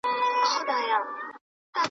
د لړم په شپږمه په خپل کور کي